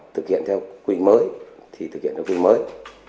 thực hiện theo quy định mới thì thực hiện theo quy định mới